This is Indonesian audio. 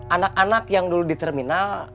anak anak yang dulu di terminal